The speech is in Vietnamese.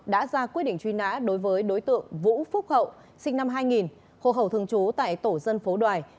đã ra quyết định truy nã đối với đối tượng vũ phúc hậu sinh năm hai nghìn hộ khẩu thường trú tại tổ dân phố đoài